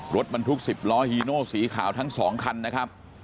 รถบรรทุก๑๐ล้อฮีโนสีขาวทั้ง๒คันนะครับ